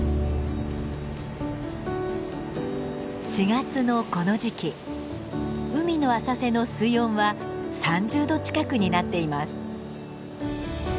４月のこの時期海の浅瀬の水温は３０度近くになっています。